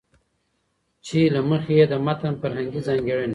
چې له مخې يې د متن فرهنګي ځانګړنې